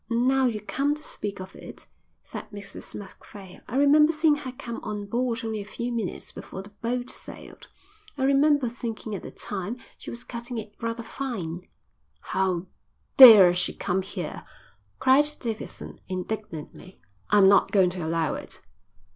"Now you come to speak of it," said Mrs Macphail, "I remember seeing her come on board only a few minutes before the boat sailed. I remember thinking at the time she was cutting it rather fine." "How dare she come here!" cried Davidson indignantly. "I'm not going to allow it."